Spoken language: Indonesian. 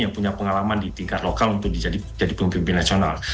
yang punya pengalaman di tingkat lokal untuk jadi pemimpin nasional